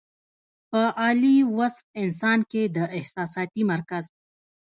پۀ عالي وصف انسان کې د احساساتي مرکز